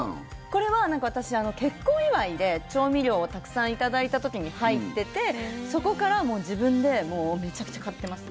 これは私、結婚祝いで調味料をたくさん頂いた時に入ってて、そこから自分でもうめちゃくちゃ買ってます。